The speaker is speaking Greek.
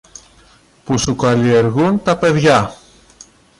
που σου καλλιεργούν τα παιδιά.